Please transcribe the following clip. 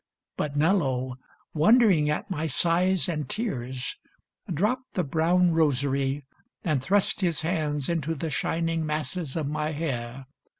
But Nello, wondering at my sighs and tears, Dropped the brown rosary and thrust his hands Into the shining masses of my hair.